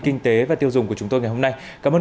kinh tế và tiêu dùng của chúng tôi ngày hôm nay cảm ơn